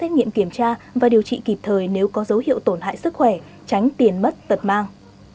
xét nghiệm kiểm tra và điều trị kịp thời nếu có dấu hiệu tổn hại sức khỏe tránh tiền mất tật mang